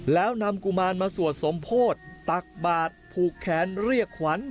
แล้วนำกุมารมาสวดสมโพธิตตักบาทผูกแขนเรียกขวัญ